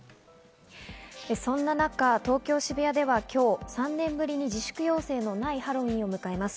そんな中、東京・渋谷では今日、３年ぶりに自粛要請のないハロウィーンを迎えます。